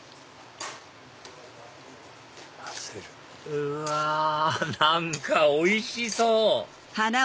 うわ何かおいしそう！